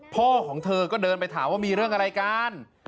พ่อของเธอก็เดินไปถามว่ามีเรื่องอะไรกัน